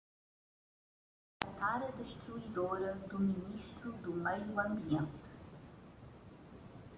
A tara destruidora do ministro do meio ambiente